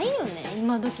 今どき